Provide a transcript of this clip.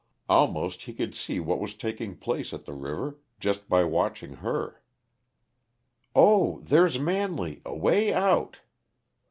Almost he could see what was taking place at the river, just by watching her. "Oh, there's Manley, away out!